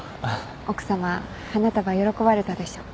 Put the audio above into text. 奥さま花束喜ばれたでしょ？